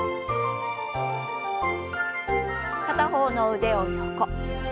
片方の腕を横。